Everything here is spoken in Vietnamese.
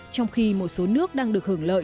trong khi một số nước đang được hưởng lợi